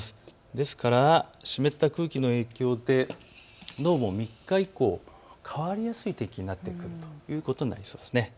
ですから湿った空気の影響でどうも３日以降、変わりやすい天気になってくるということになりそうです。